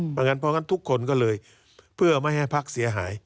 เพราะงั้นทุกคนก็เลยเพื่อไม่ให้พลักษณ์เสียหาย